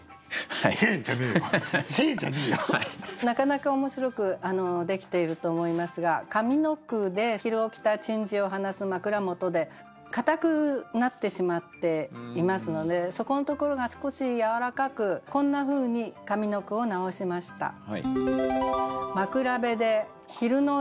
なかなか面白くできていると思いますが上の句で「昼起きた珍事を話す枕元」で硬くなってしまっていますのでそこのところが少しやわらかくこんなふうに上の句を直しました。